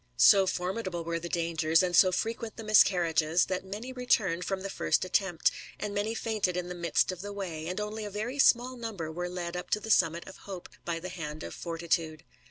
So formidable were the dangers, and so frequent the miscarriages, that many returned from the first attempt, and many fainted in the midst of the way, and only a very small number were led up to the summit of Hope, by the liand of Fortitude.